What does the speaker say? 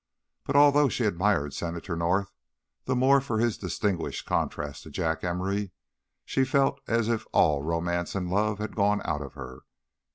But although she admired Senator North the more for his distinguished contrast to Jack Emory, she felt as if all romance and love had gone out of her.